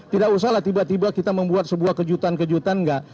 tidak usah lah tiba tiba kita membuat sebuah kejutan kejutan nggak